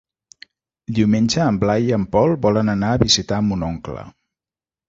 Diumenge en Blai i en Pol volen anar a visitar mon oncle.